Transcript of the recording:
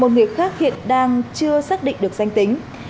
một người khác hiện đang chưa xác định được danh tính